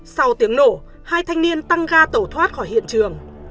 sau tiếng nổ hai thanh niên tăng ga tẩu thoát khỏi hiện trường